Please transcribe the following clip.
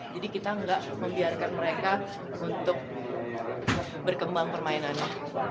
jadi kita gak membiarkan mereka untuk berkembang permainannya